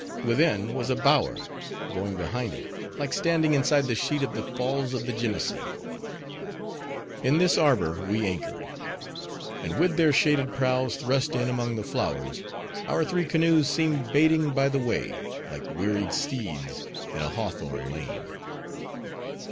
Within, was a bower; going behind it, like standing inside the sheet of the falls of the Genesee. In this arbor we anchored. And with their shaded prows thrust in among the flowers, our three canoes seemed baiting by the way, like wearied steeds in a hawthorn lane.